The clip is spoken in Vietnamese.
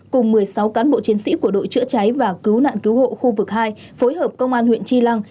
cùng một mươi sáu cán bộ chiến sĩ của đội chữa cháy và cứu nạn cứu hộ khu vực hai phối hợp công an huyện tri lăng